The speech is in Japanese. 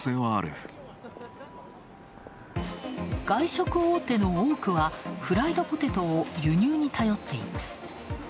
外食大手の多くは、フライドポテトを輸入に頼っています。